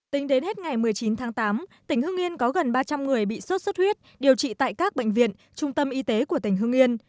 tính đến hết ngày một mươi chín tháng tám tỉnh hưng yên có gần ba trăm linh người bị sốt xuất huyết điều trị tại các bệnh viện trung tâm y tế của tỉnh hương yên